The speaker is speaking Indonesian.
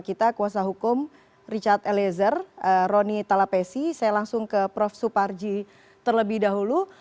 kita kuasa hukum richard eliezer roni talapesi saya langsung ke prof suparji terlebih dahulu